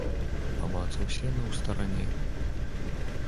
Памацаў сена ў старане.